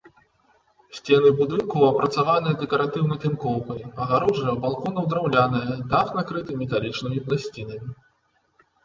Сцены будынку апрацаваныя дэкаратыўнай тынкоўкай, агароджа балконаў драўляная, дах накрыты металічнымі пласцінамі.